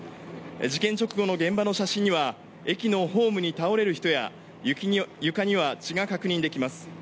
事件直後の現場の写真には駅のホームに倒れる人や床には血が確認できます。